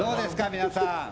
皆さん。